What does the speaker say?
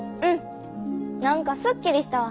何かすっきりしたわ。